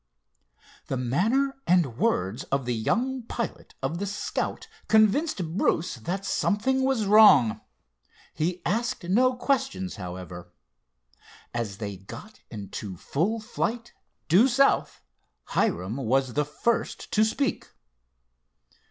The manner and words of the young pilot of the Scout convinced Bruce that something was wrong. He asked no questions, however. As they got into full flight, due south, Hiram was the first to speak.